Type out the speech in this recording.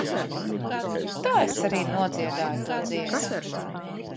Tā es arī nodziedāju to dziesmu.